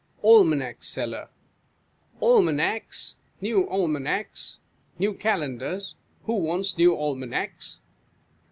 Almanac Seller. Almanacs ! New Almanacs ! New Calendars ! Who wants new Almanacs